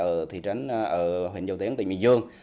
ở thị trấn huyện dầu tiến tỉnh bình dương